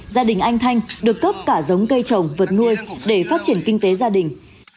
gia đình anh thanh được cấp cả giống cây trồng vật nuôi để phát triển kinh tế gia đình